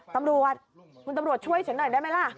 ตำรวจคุณตำรวจช่วยฉันหน่อยได้ไหมล่ะ